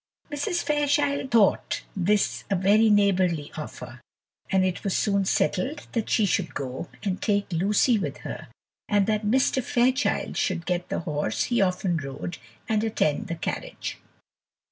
Mrs. Fairchild thought this a very neighbourly offer, and it was soon settled that she should go, and take Lucy with her, and that Mr. Fairchild should get the horse he often rode and attend the carriage.